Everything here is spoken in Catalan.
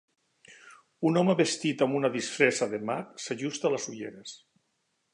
Un home vestit amb una disfressa de mag s'ajusta les ulleres.